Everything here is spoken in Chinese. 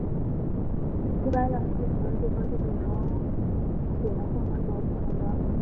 一般认为地球的地核就是由镍铁混合物所组成的。